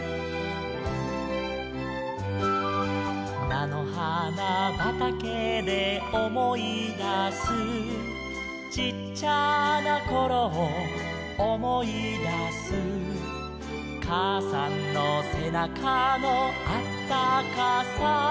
「なのはなばたけでおもいだす」「ちっちゃなころをおもいだす」「かあさんのせなかのあったかさ」